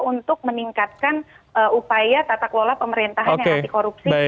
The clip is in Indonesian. untuk meningkatkan upaya tatak lola pemerintah anti korupsi